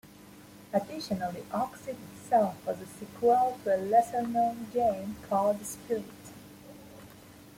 Additionally, "Oxyd" itself was a sequel to a lesser-known game, called "Esprit".